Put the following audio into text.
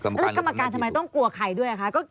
เรื่องที่ต้องกลัวใครด้วยนะคะ